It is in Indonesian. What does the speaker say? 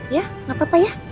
ya gak apa apa ya